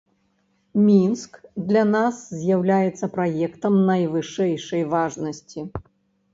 Мінск для нас з'яўляецца праектам найвышэйшай важнасці.